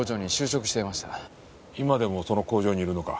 今でもその工場にいるのか？